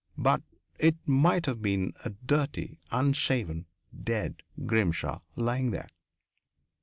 But it might have been a dirty, unshaven, dead Grimshaw lying there.